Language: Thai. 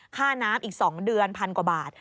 ค่าน้ำอีก๒เดือนพันกว่าบาท